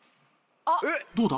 どうだ？